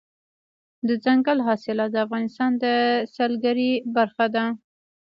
دځنګل حاصلات د افغانستان د سیلګرۍ برخه ده.